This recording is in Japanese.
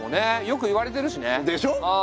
よく言われてるしね。でしょ！